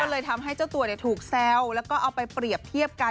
เลยทำให้เจ้าตัวถูกแซวแล้วก็เอาไปเปรียบเทียบกัน